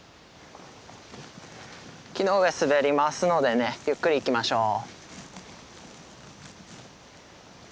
木の上滑りますのでねゆっくり行きましょう。